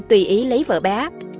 tùy ý lấy vợ bé